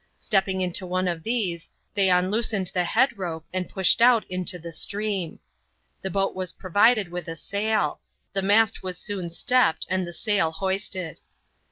Stepping into one of these, they unloosed the head rope and pushed out into the stream. The boat was provided with a sail. The mast was soon stepped and the sail hoisted.